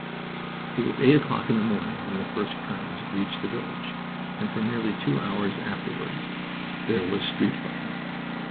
It was eight o'clock in the morning when the first crowds reached the village, and for nearly two hours afterward there was street fighting.